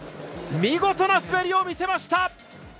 見事な滑りを見せました。